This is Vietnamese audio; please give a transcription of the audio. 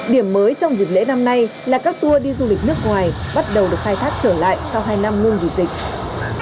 điểm mới trong dịp lễ năm nay là các tour đi du lịch nước ngoài bắt đầu được khai thác trở lại sau hai năm ngưng vì dịch